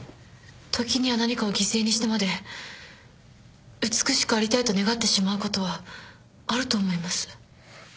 時には何かを犠牲にしてまで美しくありたいと願ってしまうことはあると思います。